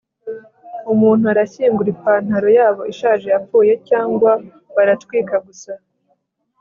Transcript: umuntu arashyingura ipantaro yabo ishaje yapfuye, cyangwa baratwika gusa